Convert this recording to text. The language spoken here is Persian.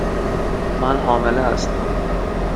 من حامله هستم.